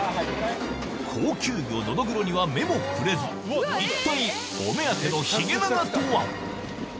高級魚ノドグロには目もくれず一体お目当てのヒゲナガとは？